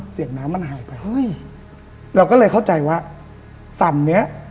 เสียงน้ำมันหายไปเฮ้ยเราก็เลยเข้าใจว่าสั่นเนี้ย